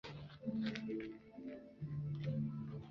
小笠原信兴是日本战国时代至安土桃山时代的武将。